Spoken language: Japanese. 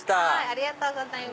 ありがとうございます。